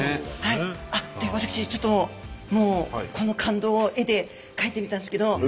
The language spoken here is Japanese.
私ちょっともうこの感動を絵で描いてみたんですけど。